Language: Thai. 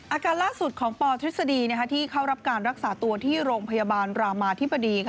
อาการล่าสุดของปทฤษฎีที่เข้ารับการรักษาตัวที่โรงพยาบาลรามาธิบดี